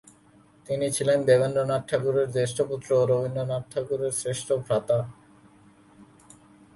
তিনি ছিলেন দেবেন্দ্রনাথ ঠাকুরের জ্যেষ্ঠ পুত্র ও রবীন্দ্রনাথ ঠাকুরের জ্যেষ্ঠ ভ্রাতা।